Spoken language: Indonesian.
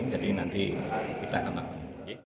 jadi nanti kita akan lakukan